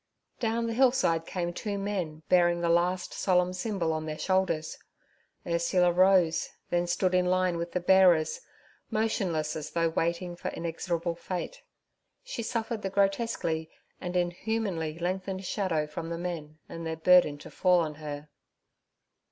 Down the hillside came two men bearing the last solemn symbol on their shoulders. Ursula rose, then stood in a line with the bearers, motionless as though waiting for inexorable fate. She suffered the grotesquely and inhumanly lengthened shadow from the men and their burden to fall on her.